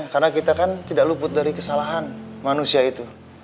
karena kita kan tidak luput dari kesalahan manusia itu